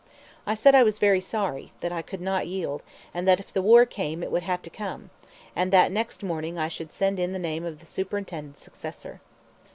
I said I was very sorry, that I could not yield, and if the war came it would have to come, and that next morning I should send in the name of the Superintendent's successor.